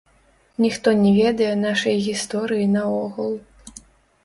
Ніхто не ведае нашай гісторыі наогул.